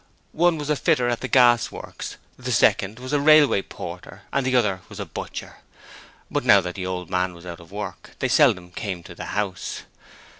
One was a fitter at the gasworks; the second was a railway porter, and the other was a butcher; but now that the old man was out of work they seldom came to the house.